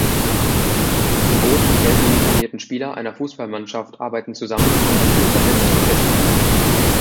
Die rot und gelb uniformierten Spieler einer Fußballmannschaft arbeiten zusammen, um ein Fußballnetz zu befestigen.